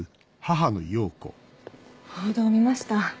報道見ました。